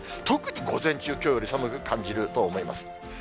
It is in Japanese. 特に午前中、きょうより寒く感じると思います。